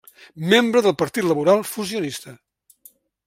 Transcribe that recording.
Membre del Partit Liberal Fusionista.